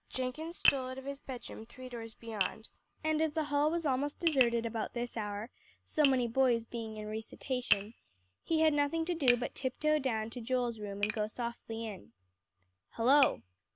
Jenkins stole out of his room three doors beyond, and as the hall was almost deserted about this hour, so many boys being in recitation, he had nothing to do but tiptoe down to Joel's room and go softly in. "Hullo!"